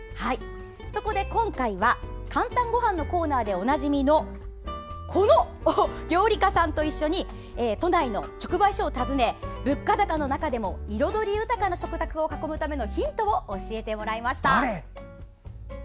そこで今回は「かんたんごはん」のコーナーでおなじみのこの料理家さんと一緒に都内の直売所を訪ね物価高の中でも彩り豊かな食卓を囲むためのヒントを教えてもらいました。